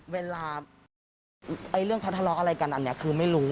เวลาเรื่องเขาทะเลาะอะไรกันอันนี้คือไม่รู้